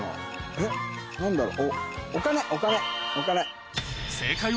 えっ？何だろう。